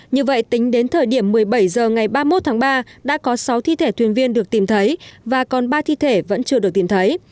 như vậy tính đến thời điểm một mươi bảy h ngày ba mươi một tháng ba đã có sáu thi thể thuyền viên được tìm thấy và còn ba thi thể vẫn chưa được tìm thấy